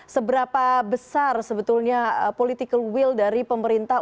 seberapa besar sebetulnya political will dari pemerintah